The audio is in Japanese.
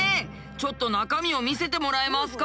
ちょっと中身を見せてもらえますか？